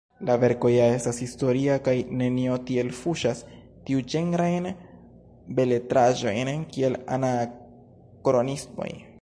La verko ja estas historia, kaj nenio tiel fuŝas tiuĝenrajn beletraĵojn kiel anakronismoj.